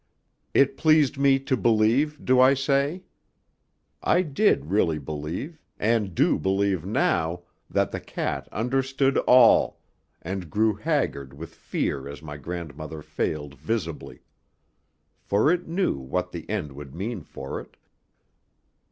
It pleased me to believe, do I say? I did really believe, and do believe now, that the cat understood all, and grew haggard with fear as my grandmother failed visibly. For it knew what the end would mean for it.